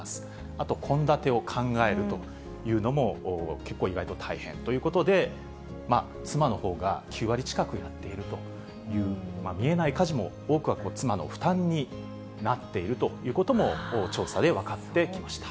あと献立を考えるというのも、結構、意外と大変ということで、妻のほうが９割近くやっているという、見えない家事も、多くは妻の負担になっているということも、調査で分かってきました。